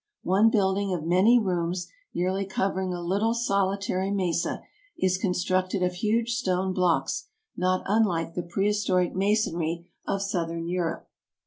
One building of many rooms, nearly covering a little solitary mesa, is constructed of huge stone blocks not unlike the prehistoric masonry of southern Europe.